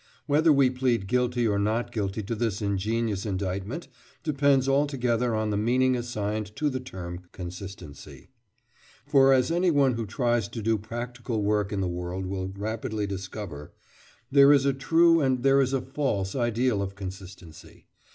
Whether we plead guilty or not guilty to this ingenious indictment depends altogether on the meaning assigned to the term "consistency." For, as anyone who tries to do practical work in the world will rapidly discover, there is a true and there is a false ideal of consistency.